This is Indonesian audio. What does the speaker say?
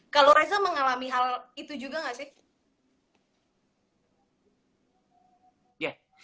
kalau reza mengalami hal itu juga nggak sih